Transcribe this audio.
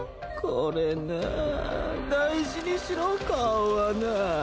これなぁ大事にしろ顔はなぁ。